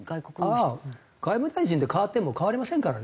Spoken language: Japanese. ああ外務大臣って代わっても変わりませんからね